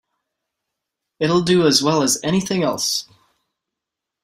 It'll do as well as anything else.